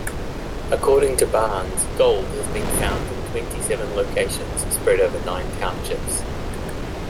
According to Barnes, gold has been found in twenty-seven locations spread over nine townships.